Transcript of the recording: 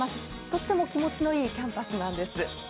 とっても気持ちのいいキャンパスなんです。